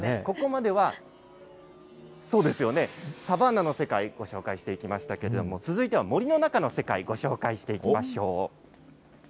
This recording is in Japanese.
ここまではサバンナの世界、ご紹介していきましたけれども、続いては森の中の世界、ご紹介していきましょう。